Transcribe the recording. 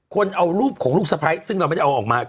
คนเอารูปของลูกสะพ้ายซึ่งเราไม่ได้เอาออกมา